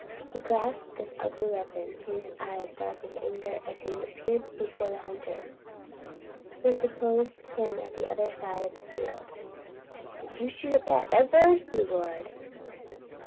He grasped this ugly weapon, his eyes dark with anger as he appeared before the hunter, who supposed him at the other side of the field. "Did you shoot at that redbird?" he roared.